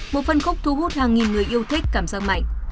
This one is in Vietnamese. một phân khúc thu hút hàng nghìn người yêu thích cảm giác mạnh